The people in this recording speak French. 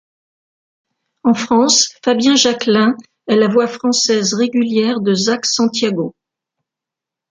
En France, Fabien Jacquelin est la voix française régulière de Zak Santiago.